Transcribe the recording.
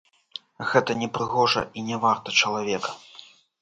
Гэта непрыгожа і не варта чалавека.